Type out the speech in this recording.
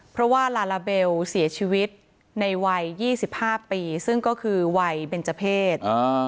เพราะว่าลาลาเบลเสียชีวิตในวัย๒๕ปีซึ่งก็คือวัยเบนเจอร์เพศ